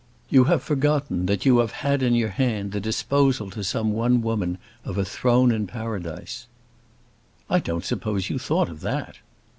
You have forgotten that you have had in your hand the disposal to some one woman of a throne in Paradise." "I don't suppose you thought of that."